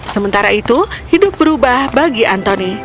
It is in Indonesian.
sementara itu hidup berubah bagi anthony